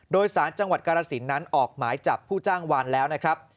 โดยสารจังหวัดกาลสินนั้นออกหมายจับผู้จ้างวานแล้วนะครับ